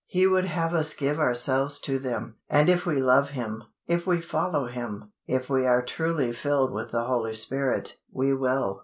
He would have us give ourselves to them; and if we love Him, if we follow Him, if we are truly filled with the Holy Spirit, we will.